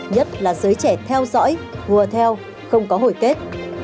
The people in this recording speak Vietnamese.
nhất là giới trẻ theo dõi hùa theo không có hồi kết